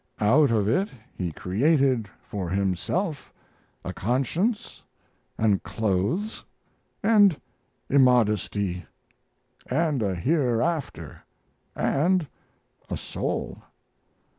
Out of it he created for himself a conscience, and clothes, and immodesty, and a hereafter, and a soul.